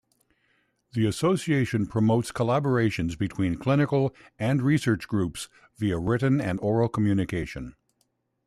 The Association promotes collaborations between clinical and research groups via written and oral communication.